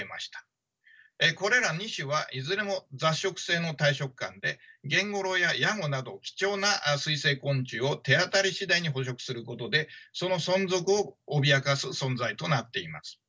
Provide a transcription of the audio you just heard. これら２種はいずれも雑食性の大食漢でゲンゴロウやヤゴなど貴重な水生昆虫を手当たりしだいに捕食することでその存続を脅かす存在となっています。